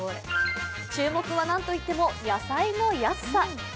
注目はなんといっても野菜の安さ。